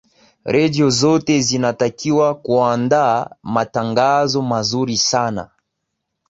redio zote zinatakiwa kuandaa matangazo mazuri sana